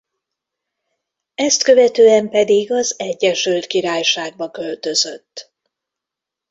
Ezt követően pedig az Egyesült Királyságba költözött.